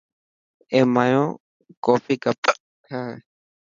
اي مايو ڪوفي ڪپ هي.